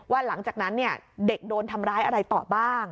หลังจากนั้นเด็กโดนทำร้ายอะไรต่อบ้าง